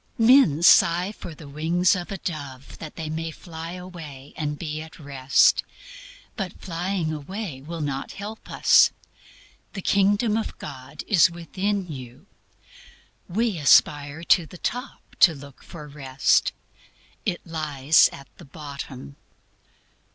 Men sigh for the wings of a dove that they may fly away and be at Rest. But flying away will not help us. "The Kingdom of God is within you." We aspire to the top to look for Rest; it lies at the bottom.